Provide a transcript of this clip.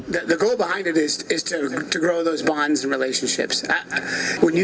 tujuan di belakangnya adalah untuk membangun hubungan dan hubungan